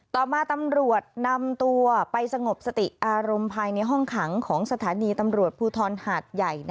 ต่อมาตำรวจนำตัวไปสงบสติอารมณ์ภายในห้องขังของสถานีตำรวจภูทรหาดใหญ่